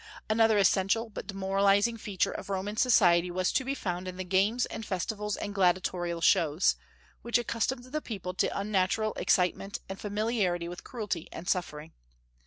Another essential but demoralizing feature of Roman society was to be found in the games and festivals and gladiatorial shows, which accustomed the people to unnatural excitement and familiarity with cruelty and suffering.